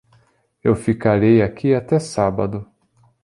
Eu ficarei aqui até sábado.